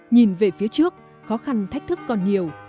nhìn về phía trước khó khăn thách thức còn nhiều